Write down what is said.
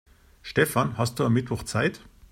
Stefan, hast du am Mittwoch Zeit?